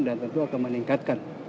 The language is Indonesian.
dan tentu akan meningkatkan